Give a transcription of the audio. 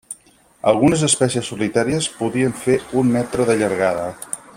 Algunes espècies solitàries podien fer un metre de llargada.